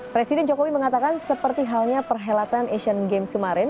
presiden jokowi mengatakan seperti halnya perhelatan asian games kemarin